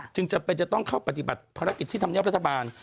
จึงจะเป็นจะต้องเข้าปฏิบัติภารกิจที่ทำยอบรัฐบาล